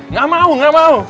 nggak mau nggak mau